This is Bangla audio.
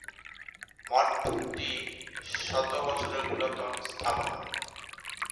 মঠ টি শত বছরের পুরাতন স্থাপনা।